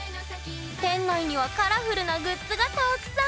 店内にはカラフルなグッズがたくさん！